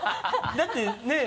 だってねぇ。